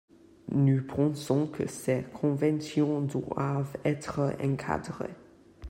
Nous pensons que ces conventions doivent être encadrées.